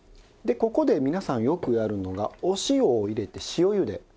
でここで皆さんよくやるのがお塩を入れて塩ゆで。